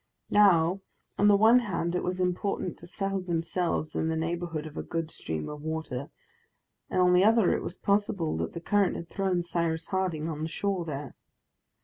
Now, on the one hand it was important to settle themselves in the neighborhood of a good stream of water, and on the other it was possible that the current had thrown Cyrus Harding on the shore there.